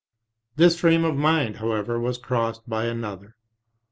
This frame of mind, however, was crossed by another.